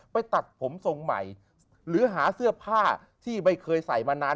ตัดผมทรงใหม่หรือหาเสื้อผ้าที่ไม่เคยใส่มานาน